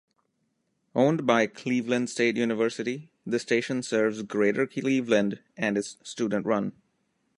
Owned by Cleveland State University, the station serves Greater Cleveland and is student-run.